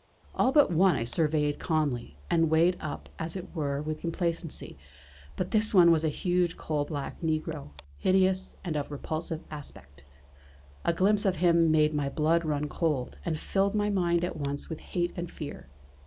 All but one I surveyed calmly, and weighed up as it were with complacency; but this one was a huge coal black negro, hideous, and of repulsive aspect. A glimpse of him made my blood run cold, and filled my mind at once with hate and fear.